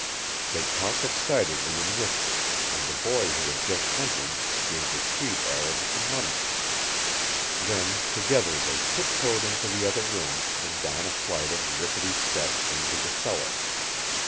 They talked excitedly in whispers and the boy who had just entered gave the street arab some money. Then together they tiptoed into the other room and down a flight of rickety steps into the cellar.